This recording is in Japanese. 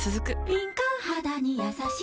敏感肌にやさしい